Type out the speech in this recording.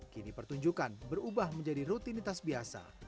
kini pertunjukan berubah menjadi rutinitas biasa